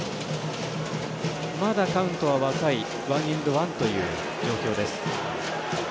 まだカウントは若いワンエンドワンという状況です。